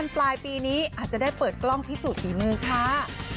ปลายปีนี้อาจจะได้เปิดกล้องพิสูจนฝีมือค่ะ